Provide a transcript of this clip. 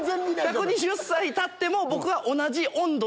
１２０歳たっても僕は同じ温度で。